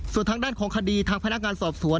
ส่วนทางด้านของคดีทางพนักงานสอบสวน